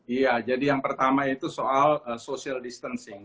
iya jadi yang pertama itu soal social distancing